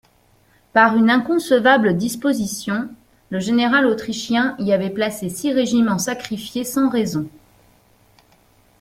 Par une inconcevable disposition, le général autrichien y avait placé six régiments sacrifiés sans raison.